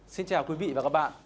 xin chào quý vị và các bạn